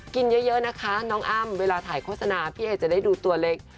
กินเยอะนะคะน้องอ้ำเวลาถ่ายโฆษณาพี่ไอจะได้ดูตัวเล็ก